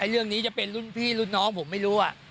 เรื่องนี้จะเป็นรุ่นพี่รุ่นน้องผมไม่รู้